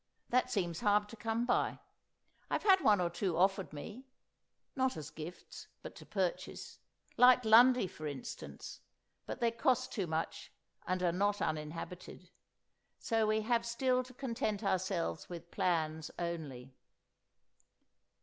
That seems hard to come by! I've had one or two offered me (not as gifts, but to purchase), like Lundy, for instance, but they cost too much and are not uninhabited. So we have still to content ourselves with plans only.